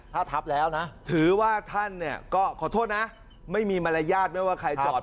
ถ้าทับแล้วนะถือว่าท่านเนี่ยก็ขอโทษนะไม่มีมารยาทไม่ว่าใครจอด